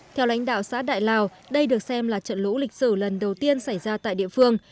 theo lãnh đạo xã đại lào đây được xem là trận lũ lịch sử lần đầu tiên xảy ra tại địa phương